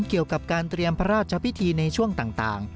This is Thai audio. เกี่ยวกับการเตรียมพระราชพิธีในช่วงต่าง